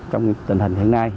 trong tình hình hiện nay